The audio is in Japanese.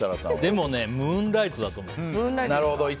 でもね、ムーンライトだと思う。